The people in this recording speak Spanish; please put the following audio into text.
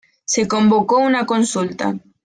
Se convocó una consulta.